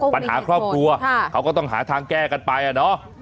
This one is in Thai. ปัญหาครอบครัวเขาก็ต้องหาทางแก้กันไปอะเนาะ